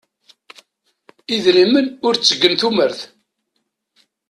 Idrimen ur ttegen tumert.